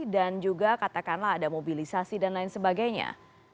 dan juga katakanlah ada mobilisasi dan lain sebagainya